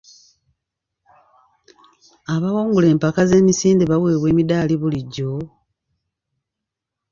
Abawangula mu mpaka z'emisinde baweebwa emiddaali bulijjo?